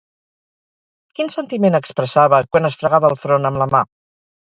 Quin sentiment expressava quan es fregava el front amb la mà?